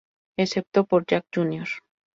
Excepto por Jack Jr.